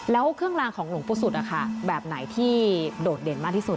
แล้วเครื่องรางของหลวงปู่สุดแบบไหนที่โดดเด่นมากที่สุด